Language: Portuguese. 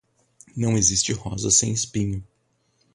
Não existe rosa sem espinho.